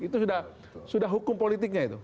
itu sudah hukum politiknya itu